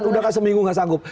sudah kan seminggu nggak sanggup